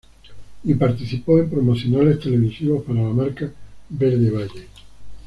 Y participó en promocionales televisivos para la marca Verde Valle.